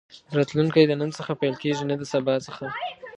راتلونکی د نن څخه پيل کېږي نه د سبا څخه.